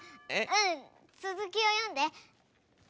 うんつづきを読んで！